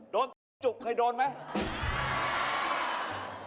โดนตีจุกเคยโดนไหม